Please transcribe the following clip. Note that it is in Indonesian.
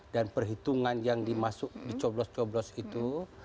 dan perhitungan yang dimasuk dicoblos coblos itu